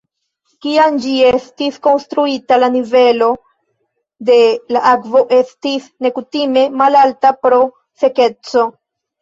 Kiam ĝi estis konstruita la nivelo de la akvo estis nekutime malalta pro sekeco.